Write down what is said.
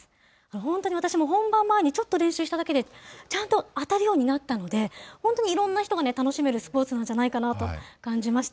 本当に私も本番前にちょっと練習しただけで、ちゃんと当たるようになったので、本当にいろんな人が楽しめるスポーツなんじゃないかなと感じました。